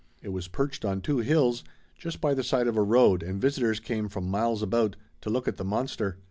It was perched on two hills just by the side of a road and visitors came from miles about to look at the monster.